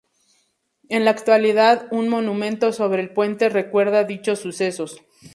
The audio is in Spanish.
En la actualidad un monumento sobre el puente recuerda dichos sucesos.